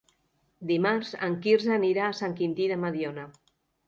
Dimarts en Quirze anirà a Sant Quintí de Mediona.